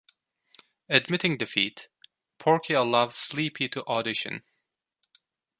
Admitting defeat, Porky allows Sleepy to audition.